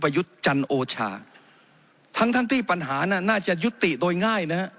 ยุทธ์จันโอชาทั้งทั้งที่ปัญหาน่ะน่าจะยุติโดยง่ายนะฮะ